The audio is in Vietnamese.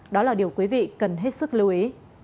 đó là điều quý vị cần hết sức lưu ý